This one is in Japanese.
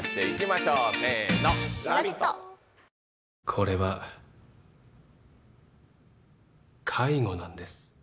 これは介護なんです